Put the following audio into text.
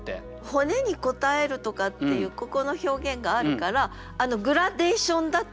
「骨にこたへる」とかっていうここの表現があるからグラデーションだと。